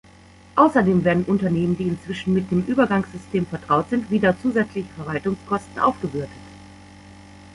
Außerdem werden Unternehmen, die inzwischen mit dem Übergangssystem vertraut sind, wieder zusätzliche Verwaltungskosten aufgebürdet.